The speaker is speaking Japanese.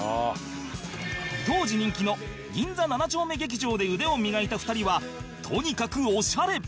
当時人気の銀座７丁目劇場で腕を磨いた２人はとにかくオシャレ！